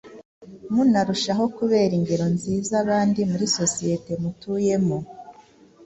munarushaho kubera ingero nziza abandi muri sosiyete mutuyemo